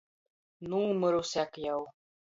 Nūmyruse ak jau.